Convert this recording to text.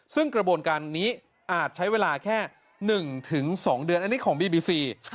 ซึ่งกระบวนการนี้อาจใช้เวลาแค่๑๒เดือนอันนี้ของบีบีซี